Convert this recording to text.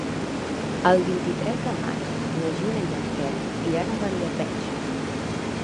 El vint-i-tres de maig na Gina i en Quer iran a Beniarbeig.